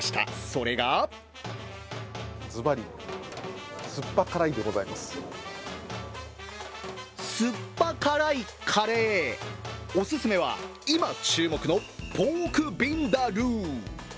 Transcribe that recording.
それがすっぱ辛いカレーお勧めは、今注目のポークビンダルー。